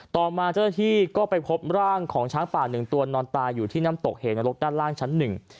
ต่อมาเจ้าหน้าที่ก็ไปพบร่างของช้างป่าหนึ่งตัวนอนตายอยู่ที่น้ำตกเหนรกด้านล่างชั้นหนึ่ง